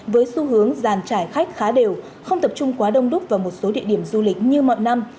với xu hướng giàn trải khách khá đều không tập trung quá đông đúc vào một số địa điểm du lịch như mọi năm